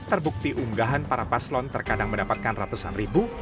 terbukti unggahan para paslon terkadang mendapatkan ratusan ribu